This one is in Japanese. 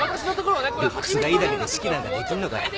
ルックスがいいだけで指揮なんかできんのかよ？